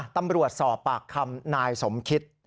ตำรวจสอบปากคำนายสมคิต